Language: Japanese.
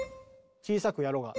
小さくやろうが。